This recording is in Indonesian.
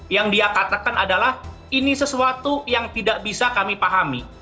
yang dia katakan adalah ini sesuatu yang tidak bisa kami pahami